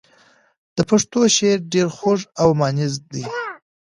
د پښتو شعر ډېر خوږ او مانیز دی.